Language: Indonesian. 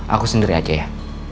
aku sendiri aja ya